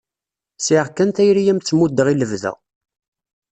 Sɛiɣ kan tayri ad am-tt-muddeɣ i lebda.